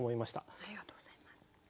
ありがとうございます。